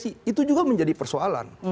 itu juga menjadi persoalan